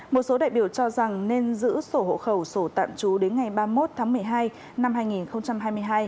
một số đại biểu cho rằng nên giữ sổ hộ khẩu sổ tạm trú đến ngày ba mươi một tháng một mươi hai năm hai nghìn hai mươi hai